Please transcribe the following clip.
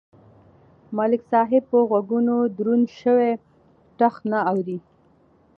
ملک صاحب په غوږونو دروند شوی ټخ نه اوري.